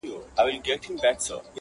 او دربار یې کړ صفا له رقیبانو-